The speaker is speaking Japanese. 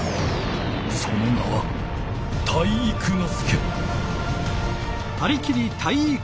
その名は体育ノ介！